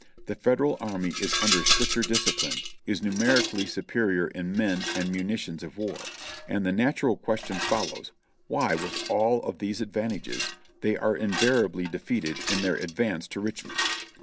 The Federal army is under stricter dis cipline, is numerically superior in men and munitions of war ; and the natural question follows, why, with all of these advantages, they are invariably defeated in their advance to Richmond